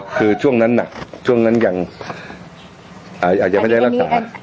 คือช่วงนั้นหนักช่วงนั้นยังอาจจะไม่ได้รักษา